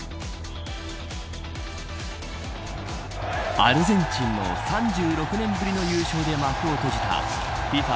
アルゼンチンの３６年ぶりの優勝で幕を閉じたＦＩＦＡ